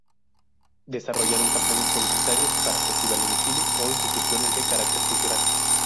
Desarrollaron campañas publicitarias para festivales de cine, o instituciones de carácter cultural.